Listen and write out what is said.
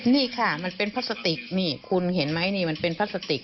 นี่ค่ะมันเป็นพลาสติกนี่คุณเห็นไหมนี่มันเป็นพลาสติก